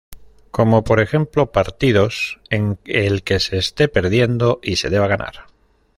Como por ejemplo, partidos en el que se este perdiendo y se deba ganar.